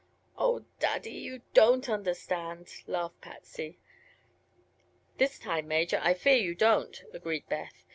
"Oh, Daddy! you don't understand," laughed Patsy. "This time, Major, I fear you don't," agreed Beth.